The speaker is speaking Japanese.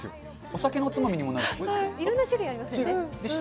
お酒のおつまみにもなるし。